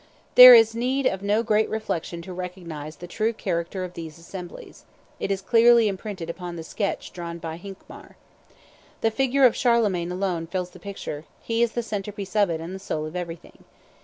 There is need of no great reflection to recognize the true character of these assemblies: it is clearly imprinted upon the sketch drawn by Hincmar. The figure of Charlemagne alone fills the picture: he is the centre piece of it and the soul of everything.